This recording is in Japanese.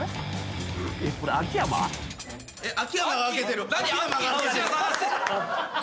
秋山が開けてる。